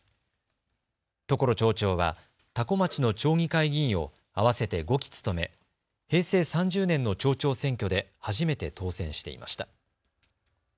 所町長は多古町の町議会議員を合わせて５期務め平成３０年の町長選挙で初めて当選していました。